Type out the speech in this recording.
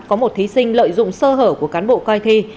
có một thí sinh lợi dụng sơ hở của cán bộ coi thi